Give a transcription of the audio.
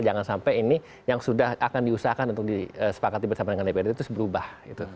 jangan sampai ini yang sudah akan diusahakan untuk disepakati bersama dengan dprd terus berubah